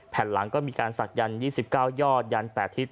แผ่นหลังก็มีการศักยันต์๒๙ยอดยัน๘ทิศ